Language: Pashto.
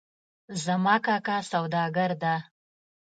زما کاکا سوداګر ده